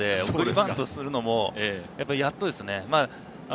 バントするのもやっとですね。